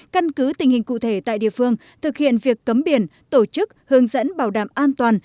căn cứ tình hình cụ thể tại địa phương thực hiện việc cấm biển tổ chức hướng dẫn bảo đảm an toàn